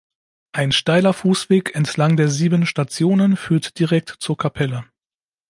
Ein steiler Fußweg entlang der sieben Stationen führt direkt zur Kapelle.